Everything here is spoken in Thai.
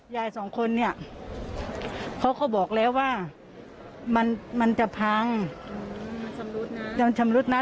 ยายสองคนเขาก็บอกแล้วว่ามันจะพังมันชำรุดนะ